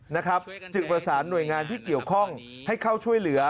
แต่ตอนนี้ติดต่อน้องไม่ได้